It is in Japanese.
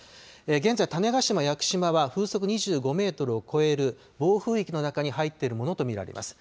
現在、種子島・屋久島は風速２５メートルを超える暴風域の中に入っているものと見られます。